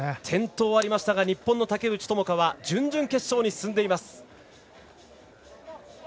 転倒はありましたが日本の竹内智香は準々決勝に進んでいます。